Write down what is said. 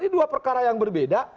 ini dua perkara yang berbeda